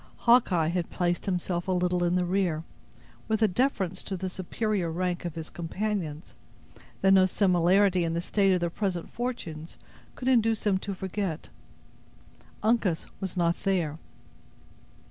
Hawkeye had placed himself a little in the rear, with a deference to the superior rank of his companions, that no similarity in the state of their present fortunes could induce him to forget. Uncas was not there.